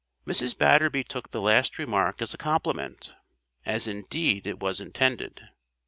Mrs. Batterby took the last remark as a compliment; as indeed it was intended.